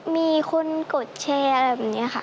มีคนกดแชร์อะไรแบบนี้ค่ะ